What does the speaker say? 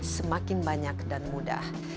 semakin banyak dan mudah